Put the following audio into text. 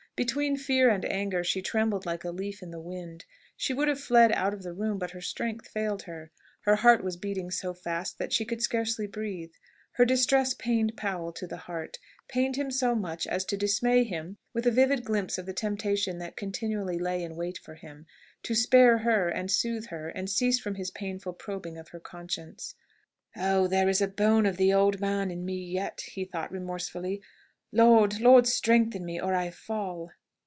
Between fear and anger she trembled like a leaf in the wind. She would have fled out of the room, but her strength failed her. Her heart was beating so fast that she could scarcely breathe. Her distress pained Powell to the heart; pained him so much, as to dismay him with a vivid glimpse of the temptation that continually lay in wait for him, to spare her, and soothe her, and cease from his painful probing of her conscience. "Oh, there is a bone of the old man in me yet!" he thought remorsefully. "Lord, Lord, strengthen me, or I fall!"